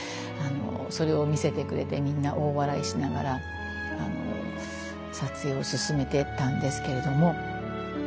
それを見せてくれてみんな大笑いしながら撮影を進めていったんですけれども。